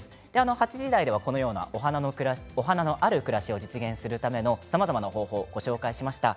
８時台では、このようなお花のある暮らしを実現するための、さまざまな方法をご紹介しました。